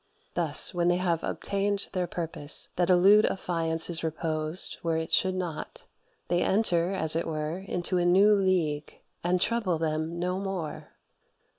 Thus, when they have obtained their purpose that a lewd affiance is reposed where it should not, they enter (as it were) into a new league, and trouble them no more.